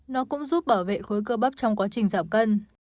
nó cũng giúp bảo vệ khối cơ bắp trong quá trình giảm cân